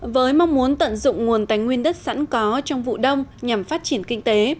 với mong muốn tận dụng nguồn tài nguyên đất sẵn có trong vụ đông nhằm phát triển kinh tế